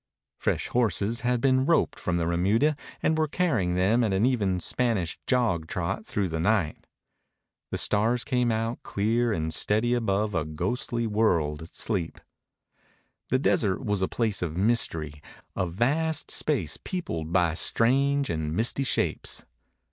Fresh horses had been roped from the remuda and were carrying them at an even Spanish jog trot through the night. The stars came out, clear and steady above a ghostly world at sleep. The desert was a place of mystery, of vast space peopled by strange and misty shapes.